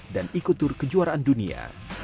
dan ikutur kejuaraan dunia